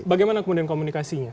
bagaimana kemudian komunikasinya